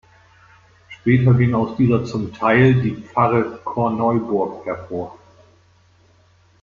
Später ging aus dieser zum Teil die Pfarre Korneuburg hervor.